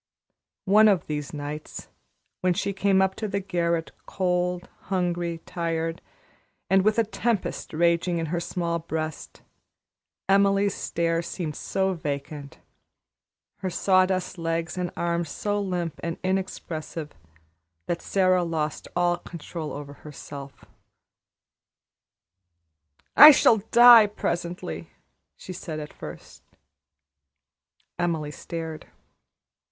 One of these nights, when she came up to the garret cold, hungry, tired, and with a tempest raging in her small breast, Emily's stare seemed so vacant, her sawdust legs and arms so limp and inexpressive, that Sara lost all control over herself. "I shall die presently!" she said at first. Emily stared.